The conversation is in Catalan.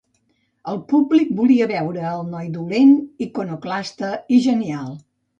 El públic volia veure al noi dolent, iconoclasta i genial.